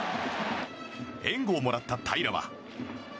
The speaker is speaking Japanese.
援護をもらった平良は。